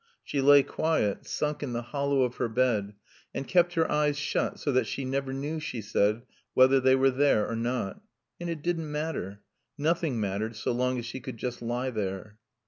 She lay quiet, sunk in the hollow of her bed, and kept her eyes shut, so that she never knew, she said, whether they were there or not. And it didn't matter. Nothing mattered so long as she could just lie there.